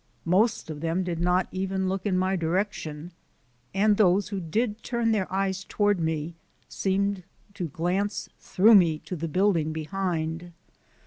Most of them did not even look in my direction, and those who did turn their eyes toward me see me to glance through me to the building behind.